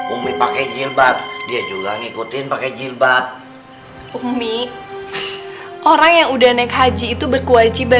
umi pakai jilbab dia juga ngikutin pakai jilbab umi orang yang udah naik haji itu berkewajiban